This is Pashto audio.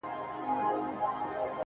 ځمه ويدېږم ستا له ياده سره شپې نه كوم ـ